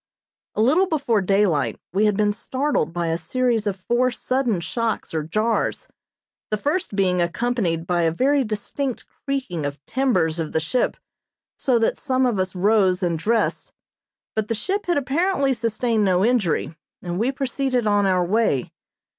A little before daylight we had been startled by a series of four sudden shocks or jars, the first being accompanied by a very distinct creaking of timbers of the ship, so that some of us rose and dressed; but the ship had apparently sustained no injury, and we proceeded on our way.